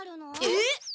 えっ！？